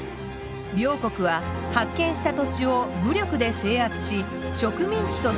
両国は発見した土地を武力で制圧し植民地としていました。